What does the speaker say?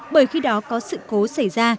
bởi khi đó có sự cố xảy ra